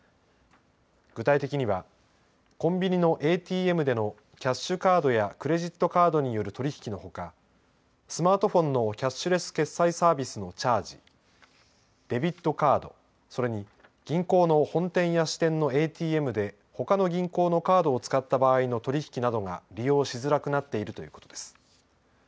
具体的にはコンビニのＡＴＭでのキャッシュカードやクレジットカードによる取り引きのほかスマートフォンのキャッシュレス決済サービスのチャージデビットカードそれに銀行の本店や支店のＡＴＭでほかの銀行のカードを使った場合の取り引きなどが利用しづらくなっているということです。